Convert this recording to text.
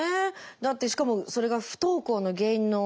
だってしかもそれが不登校の原因の一つになって。